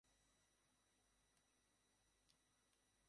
না, তুমি যেতে পারবে না।